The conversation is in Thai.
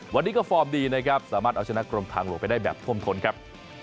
วันนี้ก็ฟอร์มดีนะครับสามารถเอาชนะกรมทางหลวงไปได้แบบท่วมท้นครับ